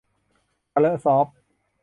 ทะเลอะซอฟ